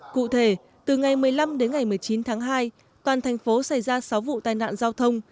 cụ thể từ ngày một mươi năm đến ngày một mươi chín tháng hai toàn thành phố xảy ra sáu vụ tai nạn giao thông